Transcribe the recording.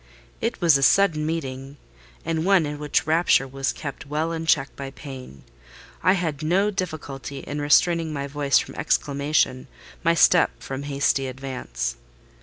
It was a sudden meeting, and one in which rapture was kept well in check by pain. I had no difficulty in restraining my voice from exclamation, my step from hasty advance.